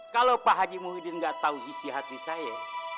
kalau pak haji muhyiddin gak tau isi hati saya